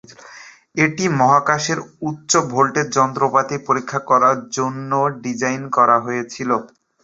এটি মহাকাশের উচ্চ-ভোল্টেজ যন্ত্রপাতি পরীক্ষা করার জন্য ডিজাইন করা হয়েছিল।